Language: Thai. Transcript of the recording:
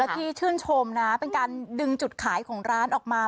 ที่ชื่นชมนะเป็นการดึงจุดขายของร้านออกมา